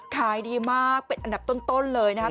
ขายดีมากเป็นอันดับต้นเลยนะครับ